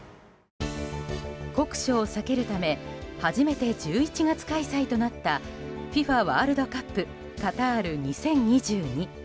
酷暑を避けるため初めて１１月開催となったＦＩＦＡワールドカップカタール２０２２。